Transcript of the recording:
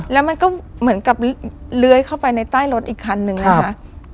แล้วมันก็เหมือนกับเลื้อยเข้าไปในใต้รถอีกคันนึงนะคะ